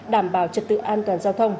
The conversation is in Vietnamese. đảm bảo trật tự an toàn giao thông